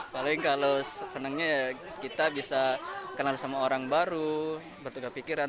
paling kalau senangnya ya kita bisa kenal sama orang baru bertugas pikiran